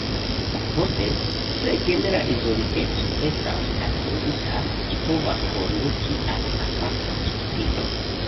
Poste, se genera izoliteco estas atingita, ĝi povas konduki al aparta specio.